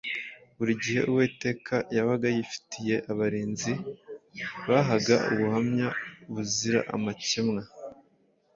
Buri gihe Uwiteka yabaga yifitiye abarinzi bahaga ubuhamya buzira amakemwa